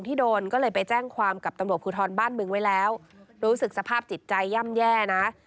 ที่โดนก็เลยไปแจ้งความกับตำรวจภูทรบ้านบึงไว้แล้วรู้สึกสภาพจิตใจย่ำแย่นะ